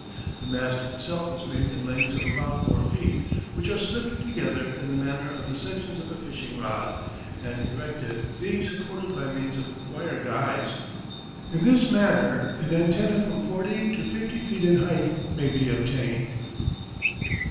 The mast itself is made in lengths of about four feet, which are slipped together in the manner of the sections of a fishing rod, and erected, being supported by means of wire guys. In this manner an antenna from 40 to 50 feet in height may be obtained.